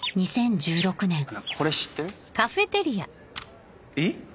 これ知ってる？えっ？